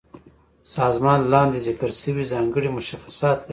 سازمان لاندې ذکر شوي ځانګړي مشخصات لري.